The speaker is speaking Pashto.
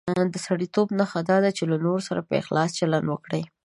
د سړیتوب نښه دا ده چې له نورو سره په اخلاص چلند وکړي.